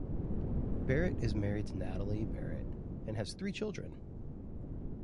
Barrett is married to Natalie Barrett and has three children.